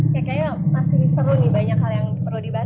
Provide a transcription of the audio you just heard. kayaknya masih seru nih banyak hal yang perlu dibahas